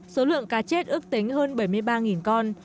số lượng cá chết ước tính hơn bảy mươi ba con